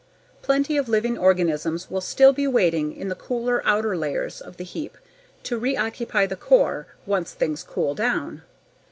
Plenty of living organisms will still be waiting in the cooler outer layers of the heap to reoccupy the core once things cool down.